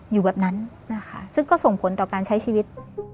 อยู่แบบนั้นนะคะซึ่งก็ส่งผลต่อการใช้ชีวิต